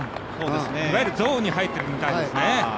いわゆるゾーンに入っているみたいですね。